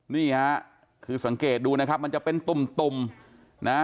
นี่ฮะคือสังเกตดูนะครับมันจะเป็นตุ่มตุ่มนะฮะ